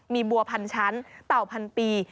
มีบัวพันชั้นเต่าพันปี